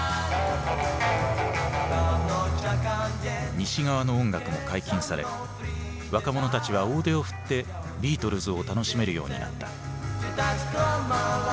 西側の音楽も解禁され若者たちは大手を振ってビートルズを楽しめるようになった。